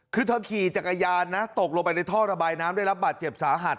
คือเธอขี่จักรยานนะตกลงไปในท่อระบายน้ำได้รับบาดเจ็บสาหัส